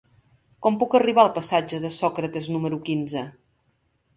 Com puc arribar al passatge de Sòcrates número quinze?